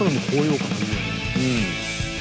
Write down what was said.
うん。